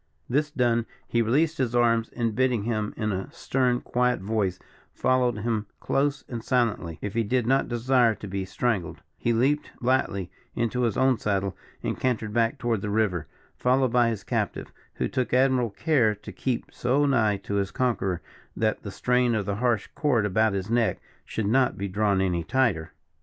This done, he released his arms, and bidding him in a stern, quiet voice followed him close and silently, if he did not desire to be strangled, he leaped lightly into his own saddle, and cantered back toward the river, followed by his captive, who took admirable care to keep so nigh to his conqueror that the strain of the harsh cord about his neck should not be drawn any tighter.